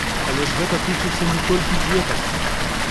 Але гэта ж тычыцца не толькі дзетак!